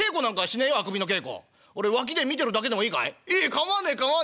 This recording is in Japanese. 構わねえ構わねえ。